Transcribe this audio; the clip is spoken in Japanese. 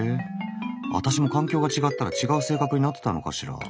私も環境が違ったら違う性格になってたのかしら。